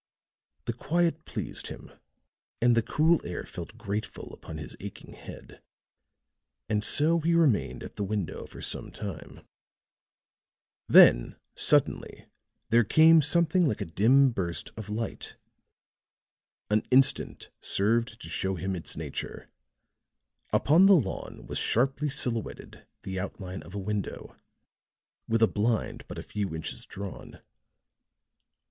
The quiet pleased him, and the cool air felt grateful upon his aching head and so he remained at the window for some time. Then, suddenly, there came something like a dim burst of light. An instant served to show him its nature; upon the lawn was sharply silhouetted the outline of a window, with a blind but a few inches drawn.